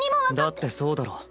だってそうだろ。